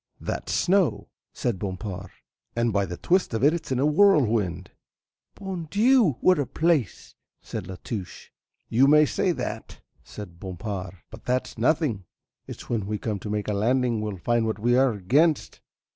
"That's snow," said Bompard, "and by the twist of it it's in a whirlwind." "Bon Dieu, what a place," said La Touche. "You may say that," said Bompard, "but that's nothing, it's when we come to make a landing we'll find what we are against."